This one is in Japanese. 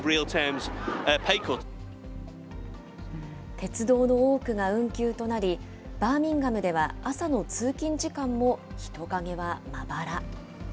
鉄道の多くが運休となり、バーミンガムでは朝の通勤時間も人影はまばら。